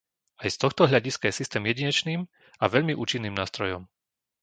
Aj z tohto hľadiska je systém jedinečným a veľmi účinným nástrojom.